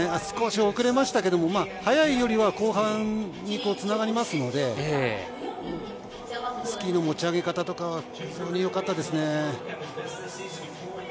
少し遅れましたけど、早いよりは、後半につながりますので、スキーの持ち上げ方とか、非常によかったですね。